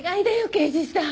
刑事さん